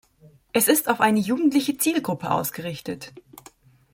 Es ist auf eine jugendliche Zielgruppe ausgerichtet.